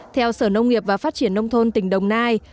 theo sở nông nghiệp và phát triển nông thôn tỉnh đồng nai